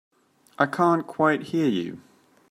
I can't quite hear you.